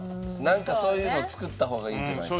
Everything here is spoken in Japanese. なんかそういうのを作った方がいいんじゃないか。